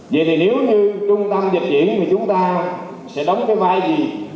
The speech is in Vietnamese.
vậy thì nếu như trung tâm dịch diễn thì chúng ta sẽ đóng cái vai gì